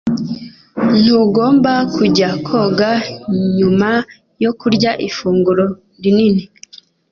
Ntugomba kujya koga nyuma yo kurya ifunguro rinini